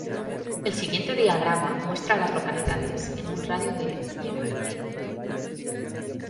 El siguiente diagrama muestra a las localidades en un radio de de Martin.